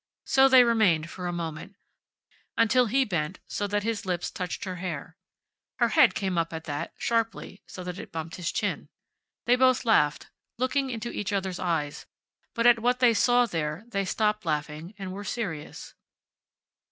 So they remained for a moment, until he bent so that his lips touched her hair. Her head came up at that, sharply, so that it bumped his chin. They both laughed, looking into each other's eyes, but at what they saw there they stopped laughing and were serious.